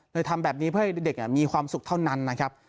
ทำแบบนี้เพื่อให้เด็กมีความสุขเท่านั้นนะครับ